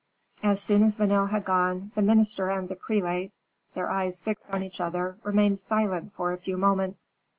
As soon as Vanel had gone, the minister and the prelate, their eyes fixed on each other, remained silent for a few moments.